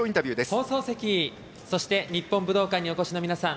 放送席、そして日本武道館にお越しの皆さん